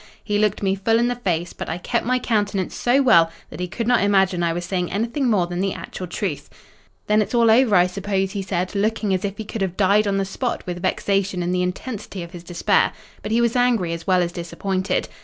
He looked me full in the face; but I kept my countenance so well that he could not imagine I was saying anything more than the actual truth. "'Then it's all over, I suppose,' he said, looking as if he could have died on the spot with vexation and the intensity of his despair. But he was angry as well as disappointed.